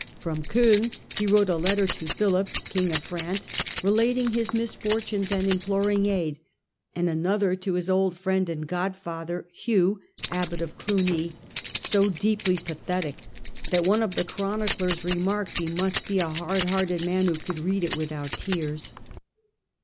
From Coin he wrote a letter to Philip, king of France, relating his misfortunes and imploring aid, and another to his old friend and The em godfather Hugh, abbot of Clugny, so deeply letter to pathotic that one of the chroniclers remarks, oma^y he must be a hard hearted man who could read it without tears.